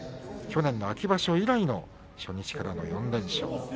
去年の秋場所以来の初日からの４連勝